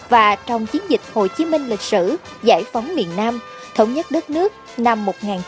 và trong chiến dịch hồ chí minh lịch sử giải phóng miền nam thống nhất đất nước năm một nghìn chín trăm bảy mươi năm